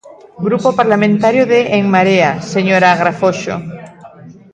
Grupo Parlamentario de En Marea, señora Agrafoxo.